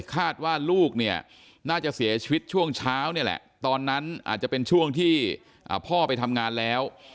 คาดว่าลูกเนี่ยน่าจะเสียชีวิตช่วงเช้านี่แหละตอนนั้นอาจจะเป็นช่วงที่พ่อไปทำงานแล้ว